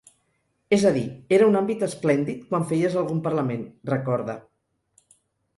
És a dir, era un àmbit esplèndid quan feies algun parlament, recorda.